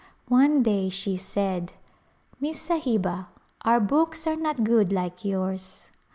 One day she said, " Miss Sahiba, our books are not good like yours."